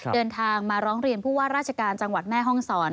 เดินทางมาร้องเรียนผู้ว่าราชการจังหวัดแม่ห้องศร